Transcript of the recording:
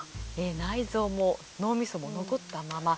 内臓も脳みそも残ったまま。